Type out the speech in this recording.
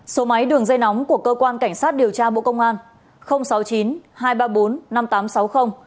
số máy đường dây nóng của cơ quan cảnh sát điều tra bộ công an